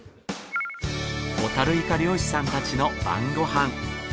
ホタルイカ漁師さんたちの晩ご飯。